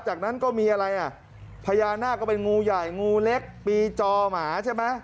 จากนั้นก็มีอะไรอ่ะพญานาคก็เป็นงูใหญ่งูเล็กปีจอหมาใช่ไหม